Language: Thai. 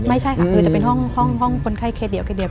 ไม่ใช่ค่ะคือจะเป็นห้องคนไข้เคสเดียวเคสเดียว